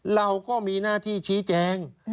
เราก็มีหน้าที่ชี้แจง